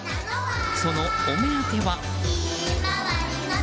そのお目当ては。